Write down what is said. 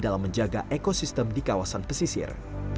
dalam menjaga ekosistem di kawasan pesisir